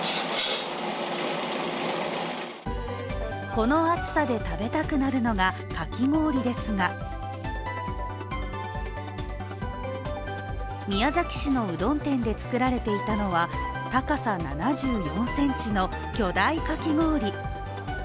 この暑さで食べたくなるのがかき氷ですが宮崎市のうどん店で作られていたのは高さ７４ｃｍの巨大かき氷。